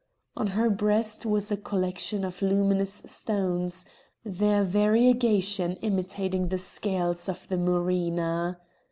On her breast was a collection of luminous stones, their variegation imitating the scales of the murena.